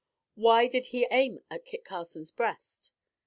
Why did he aim at Kit Carson's breast?